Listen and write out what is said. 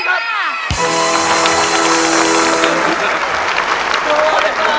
ใช่ครับ